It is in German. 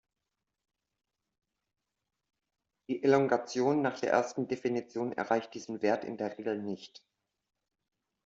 Die Elongation nach der ersten Definition erreicht diesen Wert in der Regel nicht.